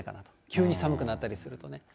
急に寒くなったりするとね。